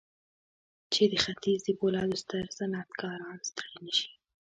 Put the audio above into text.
چې د ختيځ د پولادو ستر صنعتکاران ستړي نه شي.